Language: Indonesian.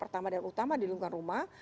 pertama dan utama di lingkungan rumah